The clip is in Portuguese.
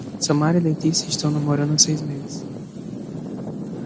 Samara e Letícia estão namorando há seis meses